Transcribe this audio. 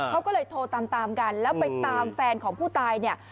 เขาก็เลยโทรตามตามกันแล้วไปตามแฟนของผู้ตายเนี่ย